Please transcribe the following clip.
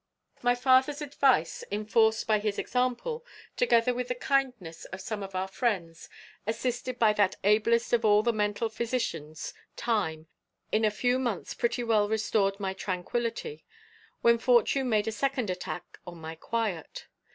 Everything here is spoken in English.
"My father's advice, enforced by his example, together with the kindness of some of our friends, assisted by that ablest of all the mental physicians, Time, in a few months pretty well restored my tranquillity, when fortune made a second attack on my quiet.